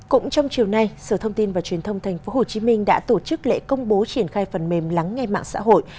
cũng trong chiều nay sở thông tin và truyền thông tp hcm đã tổ chức lễ công bố triển khai phần mềm lắng nghe mạng xã hội